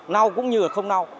nau cũng như là không nau